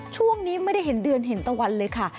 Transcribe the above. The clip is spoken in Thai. ช่วงนี้ไม่ได้เห็นเดือนเห็นตะวันเลยค่ะ